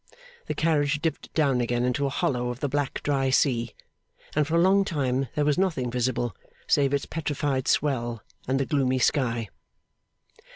The carriage dipped down again into a hollow of the black dry sea, and for a long time there was nothing visible save its petrified swell and the gloomy sky.